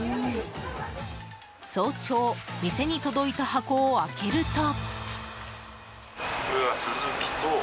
早朝、店に届いた箱を開けると。